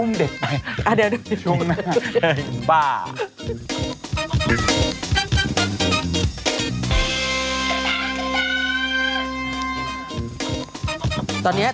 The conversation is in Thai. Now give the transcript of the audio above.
ไม่ตกใจมากอุ้ยอะไรอันนั้นน่ะ